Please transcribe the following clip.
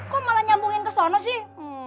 kok malah nyambungin ke sana sih